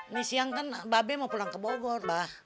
nih siang kan mba be mau pulang ke bogor bah